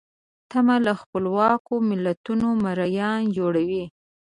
تمه له خپلواکو ملتونو مریان جوړوي.